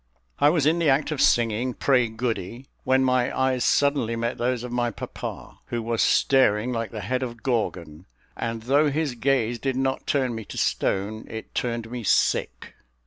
I was in the act of singing "Pray Goody," when my eyes suddenly met those of my papa, who was staring like the head of Gorgon; and though his gaze did not turn me to stone, it turned me sick.